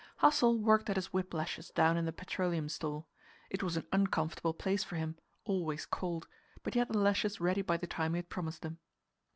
Hassel worked at his whip lashes down in the petroleum store. It was an uncomfortable place for him always cold; but he had the lashes ready by the time he had promised them.